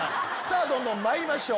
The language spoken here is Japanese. どんどんまいりましょう。